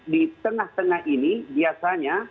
di tengah tengah ini biasanya